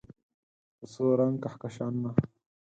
په څو رنګ کهکشانونه